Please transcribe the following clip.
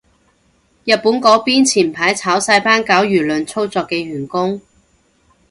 日本嗰邊前排炒晒班搞輿論操作嘅員工